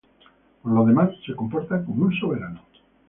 Por lo demás se comporta como un soberano.